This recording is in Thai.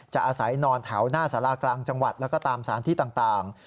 อาศัยนอนแถวหน้าสารากลางจังหวัดแล้วก็ตามสารที่ต่าง